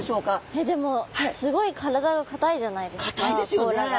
えっでもすごい体が硬いじゃないですか甲羅が。